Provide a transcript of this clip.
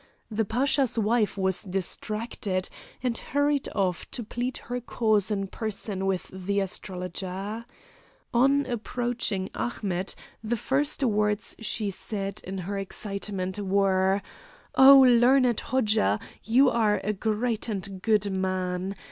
The Pasha's wife was distracted, and hurried off to plead her cause in person with the astrologer. On approaching Ahmet, the first words she said, in her excitement, were: "Oh learned Hodja, you are a great and good man.